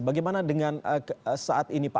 bagaimana dengan saat ini pak